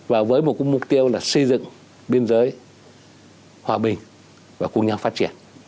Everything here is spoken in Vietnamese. và với một mục tiêu là xây dựng biên giới hòa bình và cùng nhau phát triển